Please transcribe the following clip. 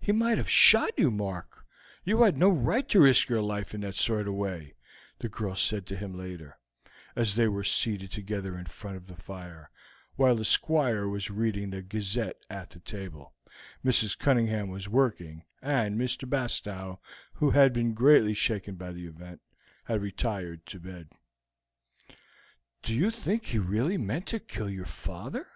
"He might have shot you, Mark; you had no right to risk your life in that sort of way," the girl said to him, later, as they were seated together in front of the fire, while the Squire was reading the Gazette at the table, Mrs. Cunningham was working, and Mr. Bastow, who had been greatly shaken by the event, had retired to bed. "Do you think that he really meant to kill your father?"